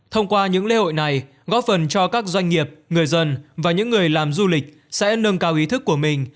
thông qua những lễ hội này góp phần cho các doanh nghiệp người dân và những người làm du lịch sẽ nâng cao ý thức của mình